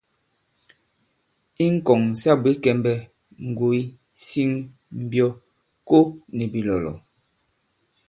I ŋ̀kɔ̀ŋ sa bwě kɛmbɛ, ŋgòy, siŋ, mbyɔ, ko nì bìlɔ̀lɔ̀.